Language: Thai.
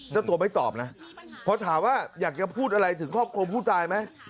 เจ้าตัวไม่ตอบนะเพราะถามว่าอยากจะพูดอะไรถึงครอบครัวผู้ตายไหม